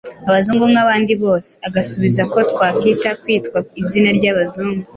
abazungu nk’abandi bose. Agasubiza ko takwitwa kwitwa izina ry’abazungu